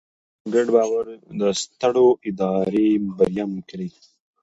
ګډ باور د سترې ادارې بریا ممکنه کوي.